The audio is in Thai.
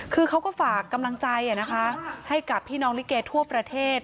คือเขาก็ฝากกำลังใจนะคะให้กับพี่น้องลิเกทั่วประเทศ